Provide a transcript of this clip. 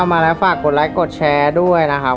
มาแล้วฝากกดไลค์กดแชร์ด้วยนะครับ